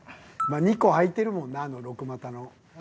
２個空いてるもんなあの六股の。